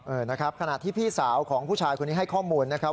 เออนะครับขณะที่พี่สาวของผู้ชายคนนี้ให้ข้อมูลนะครับ